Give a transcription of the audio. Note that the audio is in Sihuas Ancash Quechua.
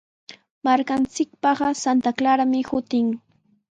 Markanchikpaqa Santa Clarami shutin.